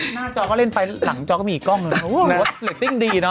หน้าจอก็เล่นไปหลังจอก็มีอีกกล้องหนึ่ง